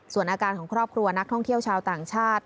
ส่วนอาการของครอบครัวนักท่องเที่ยวชาวต่างชาติ